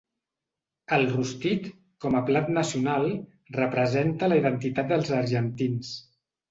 El rostit, com a plat nacional, representa la identitat dels argentins.